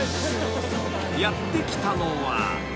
［やって来たのは］